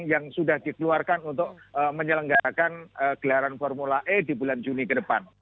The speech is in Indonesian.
yang sudah dikeluarkan untuk menyelenggarakan gelaran formula e di bulan juni ke depan